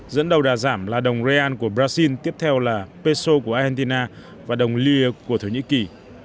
dẫn đầu đà giảm là đồng real của brazil tiếp theo là peso của argentina và đồng lier của thổ nhĩ kỳ